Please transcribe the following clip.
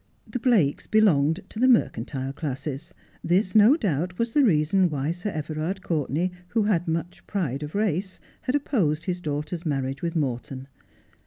The Blakes belonged to the mercantile classes. This no doubt was the reason why Sir Everard Courtenay, who had much pride of race, had opposed his daughter's marriage with Morton.